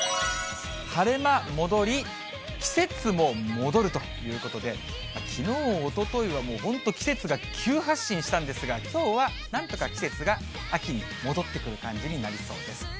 晴れ間戻り、季節も戻るということで、きのう、おとといは本当、季節が急発進したんですが、きょうはなんとか季節が秋に戻ってくる感じになりそうです。